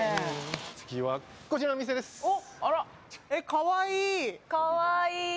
かわいい。